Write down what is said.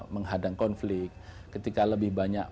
menghadang konflik ketika lebih banyak